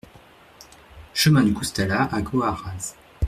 Chemin du Coustalat à Coarraze